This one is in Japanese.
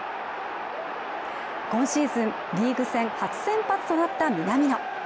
今シーズン、リーグ戦初先発となった南野。